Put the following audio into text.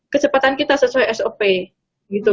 kecepatan kita sesuai sop gitu